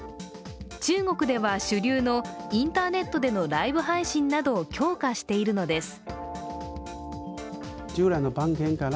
中国では主流のインターネットでのライブ配信などを強化しているのです。